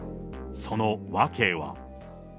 その訳は。